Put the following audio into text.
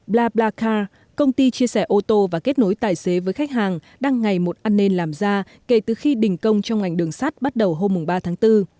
blacca công ty chia sẻ ô tô và kết nối tài xế với khách hàng đang ngày một an ninh làm ra kể từ khi đình công trong ngành đường sắt bắt đầu hôm ba tháng bốn